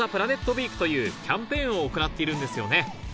ウィークというキャンペーンを行っているんですよね